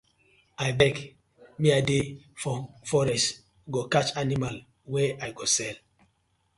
Abeg mi I dey go forest go catch animal wey I go sell.